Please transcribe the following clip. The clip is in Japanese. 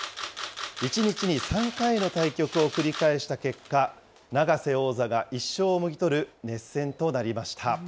１日に３回の対局を繰り返した結果、永瀬王座が１勝をもぎ取る熱戦となりました。